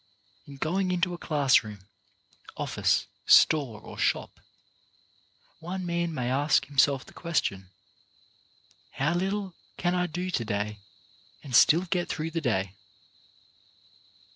In going into a class room, office, store or shop, one man may ask himself the question: "How little can I do to day and still get through the day?"